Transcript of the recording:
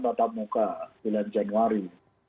tatap muka sembilan januari